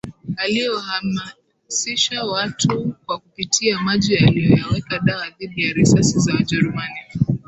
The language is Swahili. aliyewahamisisha watu kwa kupitia maji aliyoyaweka dawa dhidi ya risasi za Wajerumani